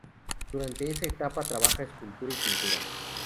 Durante esa etapa trabaja escultura y pintura.